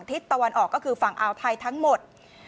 ทิศตะวันออกก็คือฝั่งอ่าวไทยทั้งหมด